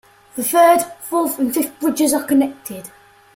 The third, fourth and fifth bridges are connected.